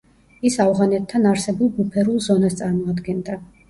ის ავღანეთთან არსებულ ბუფერულ ზონას წარმოადგენდა.